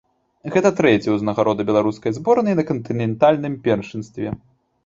Гэта трэцяя ўзнагарода беларускай зборнай на кантынентальным першынстве.